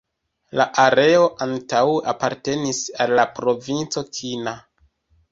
La areo antaŭe apartenis al la provinco Kina.